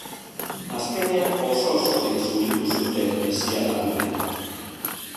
Azkenean, oso-osorik zuritu zuten hesia lagunek.